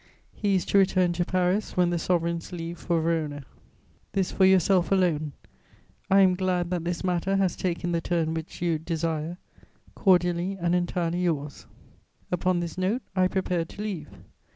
He is to return to Paris when the sovereigns leave for Verona. "This for yourself alone. I am glad that this matter has taken the turn which you desire. Cordially and entirely yours." Upon this note, I prepared to leave.